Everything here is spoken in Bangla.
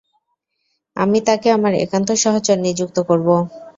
আমি তাকে আমার একান্ত সহচর নিযুক্ত করব।